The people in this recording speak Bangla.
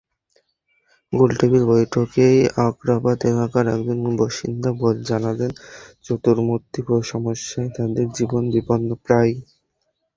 গোলটেবিল বৈঠকেই আগ্রাবাদ এলাকার একজন বাসিন্দা জানালেন, চতুর্মুখী সমস্যায় তাঁদের জীবন বিপন্নপ্রায়।